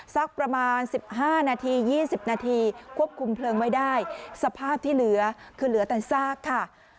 สักประมาณ๑๕นาที๒๐นาทีควบคุมเพลิงไว้ได้สภาพที่เหลือคือเหลือแต่ซากค่ะ